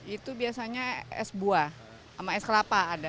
itu biasanya es buah sama es kelapa ada